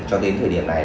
cho đến thời điểm này